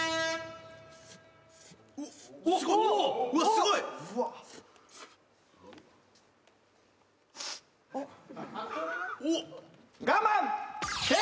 すごいぜ！